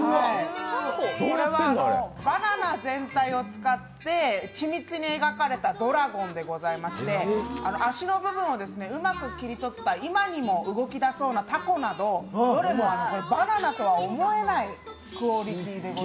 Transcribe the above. これはバナナ全体を使って緻密に描かれたドラゴンでして、足の部分をうまく切り取った、今にも動き出しそうなたこなど、どれもバナナとは思えないクオリティーです。